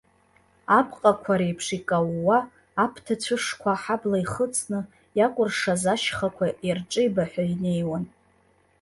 Апҟақәа реиԥш икаууа, аԥҭа цәышқәа аҳабла ихыҵны, иакәыршаз ашьхақәа ирҿеибаҳәа инеиуан.